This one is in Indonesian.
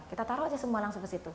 kita taruh aja semua langsung ke situ